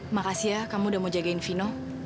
makasih ya kamu udah mau jagain vino